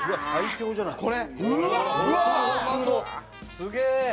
すげえ！